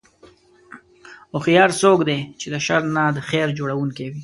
هوښیار څوک دی چې د شر نه د خیر جوړوونکی وي.